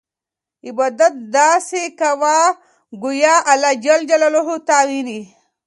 عبادت داسې کوه چې ګویا اللهﷻ تا ویني.